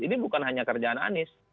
ini bukan hanya kerjaan anies